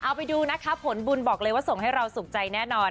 เอาไปดูนะคะผลบุญบอกเลยว่าส่งให้เราสุขใจแน่นอน